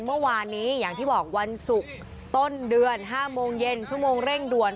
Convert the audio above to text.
เมื่อวานนี้อย่างที่บอกวันศุกร์ต้นเดือน๕โมงเย็นชั่วโมงเร่งด่วน